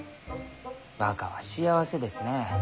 若は幸せですね。